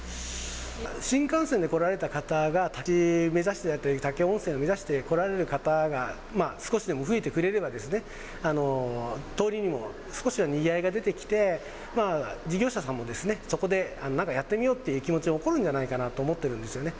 新幹線で来られた方が、武雄温泉を目指して来られる方が少しでも増えてくれれば、通りにも少しはにぎわいが出てきて、事業者さんも、そこで何かやってみようっていう気持ちも起こるんじゃないかなと思ってるんですよね。